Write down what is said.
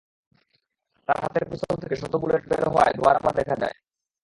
তাঁর হাতের পিস্তল থেকে সদ্য বুলেট বের হওয়ার ধোঁয়ার আভা দেখা যায়।